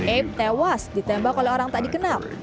aib tewas ditembak oleh orang tak dikenal